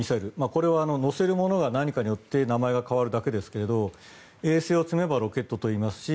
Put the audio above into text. これは載せるものが何かによって名前が変わるだけですが衛星を積めばロケットと言いますし